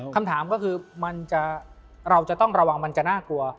คำถามก็คือเราจะต้องระวังมันจะน่ากลัว